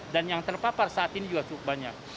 dan yang terpapar saat ini juga cukup banyak